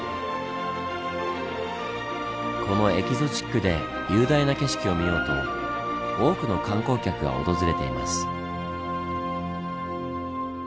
このエキゾチックで雄大な景色を見ようと多くの観光客が訪れています。